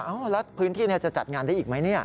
แล้วพื้นที่จะจัดงานได้อีกไหมเนี่ย